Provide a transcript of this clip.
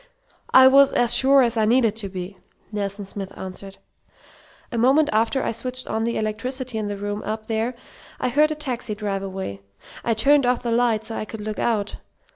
"I was as sure as I needed to be," Nelson Smith answered. "A moment after I switched on the electricity in the room up there I heard a taxi drive away. I turned off the light so I could look out.